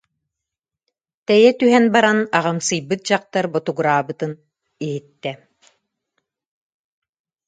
Тэйэ түһэн баран, аҕамсыйбыт дьахтар ботугураабытын иһиттэ